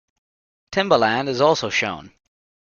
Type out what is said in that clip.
Timbaland is also shown.